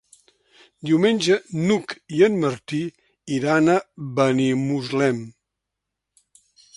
Diumenge n'Hug i en Martí iran a Benimuslem.